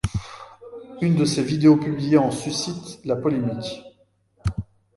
Une de ses vidéos publiée en suscite la polémique.